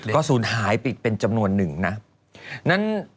ก็สูญหายเป็นจำนวนหนึ่งนะ